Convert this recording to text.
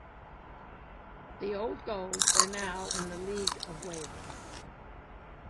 The Old Gold were now in the League of Wales.